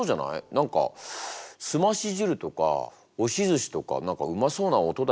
何かすまし汁とか押しずしとか何かうまそうな音だよね。